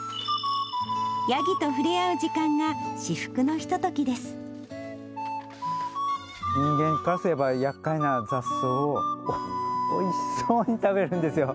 ヤギとふれあう時間が至福のひと人間からすれば、やっかいな雑草を、おいしそうに食べるんですよ。